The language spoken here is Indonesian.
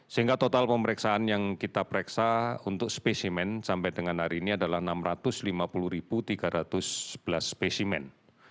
sehingga total pemeriksaan yang kita pereksa untuk spesimen sampai dengan hari ini adalah enam ratus lima puluh tiga ratus sebelas spesimen